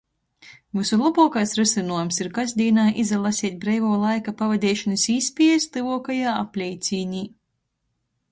Vysu lobuokais rysynuojums ir kasdīnā izalaseit breivuo laika pavadeišonys īspiejis tyvuokajā apleicīnē.